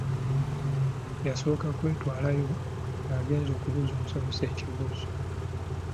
Yasooka kwetwalayo nga agenze okubuuza omusomesa ekibuuzo.